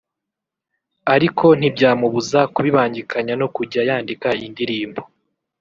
ariko ntibyamubuza kubibangikanya no kujya yandika indirimbo